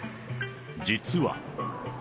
実は。